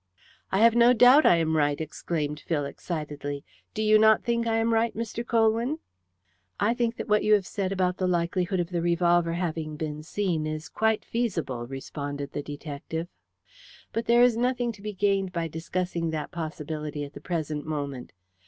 "I have no doubt I am right," exclaimed Phil excitedly. "Do you not think I am right, Mr. Colwyn?" "I think that what you have said about the likelihood of the revolver having been seen is quite feasible," responded the detective. "But there is nothing to be gained by discussing that possibility at the present moment.